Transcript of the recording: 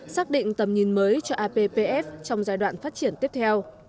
xác định tầm nhìn mới cho appf trong giai đoạn phát triển tiếp theo